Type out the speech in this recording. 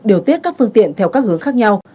điều tiết các phương tiện theo các hướng khác nhau